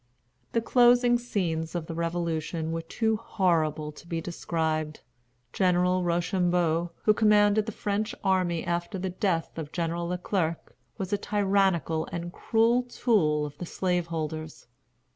The closing scenes of the revolution were too horrible to be described. General Rochambeau, who commanded the French army after the death of General Le Clerc, was a tyrannical and cruel tool of the slaveholders.